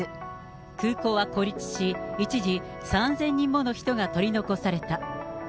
空港は孤立し、一時、３０００人もの人が取り残された。